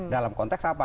dalam konteks apa